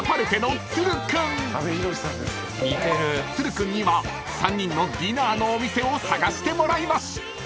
［都留君には３人のディナーのお店を探してもらいます］